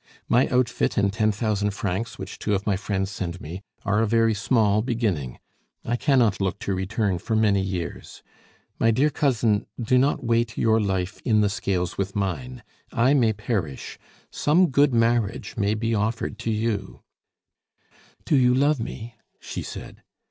My outfit and ten thousand francs, which two of my friends send me, are a very small beginning. I cannot look to return for many years. My dear cousin, do not weight your life in the scales with mine; I may perish; some good marriage may be offered to you " "Do you love me?" she said.